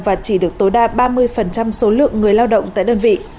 và chỉ được tối đa ba mươi số lượng người lao động tại đơn vị